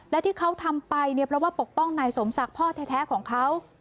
และที่เขาทำไปเนี่ยเพราะว่าปกป้องนายสมศักดิ์พ่อแท้ของเขา